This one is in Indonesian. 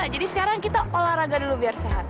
jadi sekarang kita olahraga dulu biar sehat